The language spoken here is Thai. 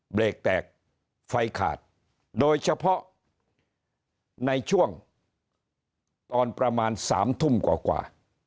เบรกแตกไฟขาดโดยเฉพาะในช่วงตอนประมาณ๓ทุ่มกว่า